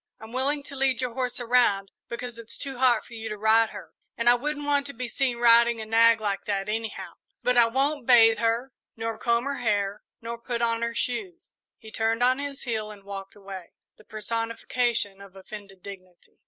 I'm willing to lead your horse around, because it's too hot for you to ride her, and I wouldn't want to be seen riding a nag like that anyhow; but I won't bathe her nor comb her hair nor put on her shoes." He turned on his heel and walked away, the personification of offended dignity.